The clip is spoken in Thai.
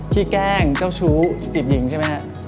แกล้งเจ้าชู้จีบหญิงใช่ไหมฮะ